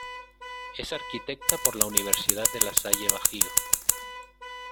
Es arquitecta por la Universidad De La Salle Bajío.